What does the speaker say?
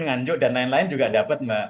nganjuk dan lain lain juga dapat mbak